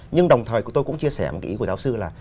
nhưng đồng thời tôi cũng chia sẻ một cái ý của giáo sư là